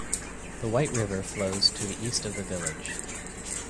The White River flows to the east of the village.